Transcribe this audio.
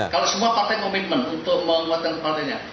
kalau semua partai komitmen untuk menguatkan partainya